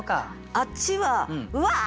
あっちは「うわ！